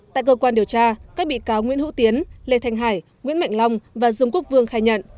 tại cơ quan điều tra các bị cáo nguyễn hữu tiến lê thanh hải nguyễn mạnh long và dương quốc vương khai nhận